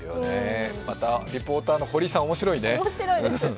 またリポーターの堀井さん、面白いですね。